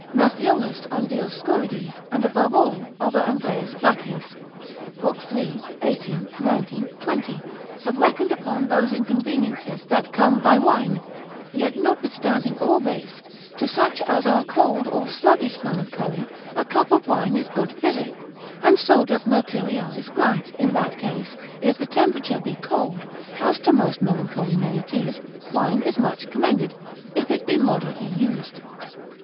Matthiolus on Dioscorides, and above all other Andreas Bachius, l. 3. 18, 19, 20, have reckoned upon those inconveniences that come by wine: yet notwithstanding all this, to such as are cold, or sluggish melancholy, a cup of wine is good physic, and so doth Mercurialis grant, consil. 25, in that case, if the temperature be cold, as to most melancholy men it is, wine is much commended, if it be moderately used.